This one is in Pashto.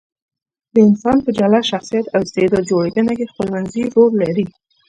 د انسان په جلا شخصیت او استعداد جوړېدنه کې خپلمنځي رول لري.